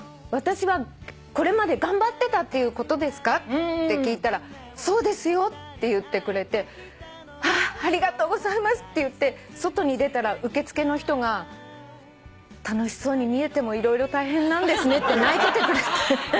私はこれまで頑張ってたっていうことですか？」って聞いたら「そうですよ」って言ってくれて「ありがとうございます」って言って外に出たら受付の人が「楽しそうに見えても色々大変なんですね」って泣いててくれて。